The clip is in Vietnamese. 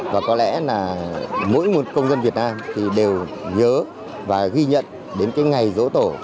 và có lẽ là mỗi một công dân việt nam thì đều nhớ và ghi nhận đến cái ngày dỗ tổ